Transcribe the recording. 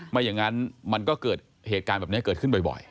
ไม่อย่างนั้นมันก็เกิดเหตุการณ์แบบนี้เกิดขึ้นบ่อย